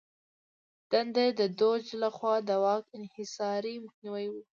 د دنده یې د دوج لخوا د واک انحصار مخنیوی و.